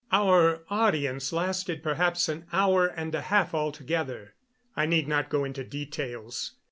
Our audience lasted perhaps an hour and a half altogether. I need not go into details.